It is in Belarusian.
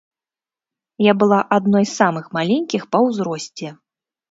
Я была адной з самых маленькіх па ўзросце.